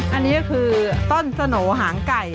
อันนี้ก็คือต้นสโหน่หางไก่